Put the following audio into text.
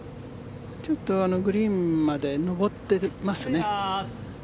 ちょっとグリーンまで上っていますね。